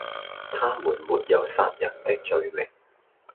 他們沒有殺人的罪名，